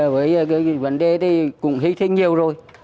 với vấn đề thì cũng hy sinh nhiều rồi